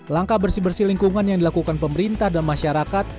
langkah bersih bersih lingkungan yang dilakukan pemerintah dan masyarakat